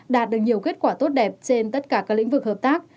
đạt được nhiều kết quả tốt đẹp trên tất cả các lĩnh vực hợp tác